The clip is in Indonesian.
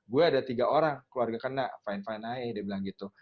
gue ada tiga orang keluarga kena fine fine ayah dia bilang gitu